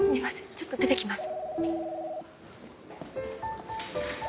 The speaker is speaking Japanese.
ちょっと出てきます。